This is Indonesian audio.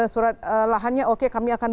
surat lahannya oke kami akan